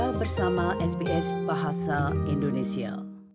kita bersama sbs bahasa indonesia